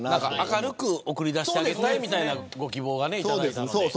明るく送り出してあげたいみたいなご希望を頂いたので。